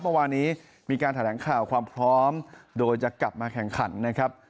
เมื่อวานนี้มีการแถลงข่าวความพร้อมโดยจะกลับมาแข่งขันนะครับ